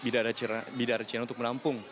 dan bidara cina untuk menampung